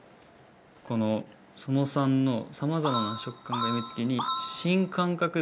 このその３の、さまざまな食感が病みつきに。